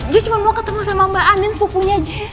jes cuma mau ketemu sama mba anin sepupunya jes